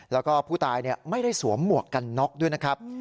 แล้วก็ผู้ตายไม่ได้สวมหมวกกันน็อกด้วยนะครับ